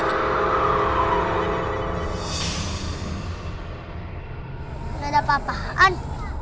nggak ada apa apaan